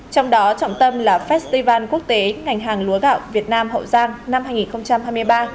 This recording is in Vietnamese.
trong đó trọng tâm là festival quốc tế ngành hàng lúa gạo việt nam hậu giang năm hai nghìn hai mươi ba